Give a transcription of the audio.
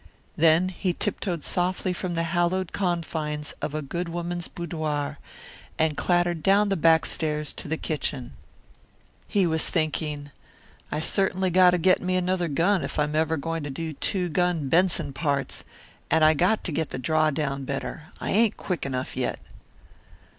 Then he tiptoed softly from the hallowed confines of a good woman's boudoir and clattered down the back stairs to the kitchen. He was thinking: "I certainly got to get me another gun if I'm ever going to do Two Gun Benson parts, and I got to get the draw down better. I ain't quick enough yet."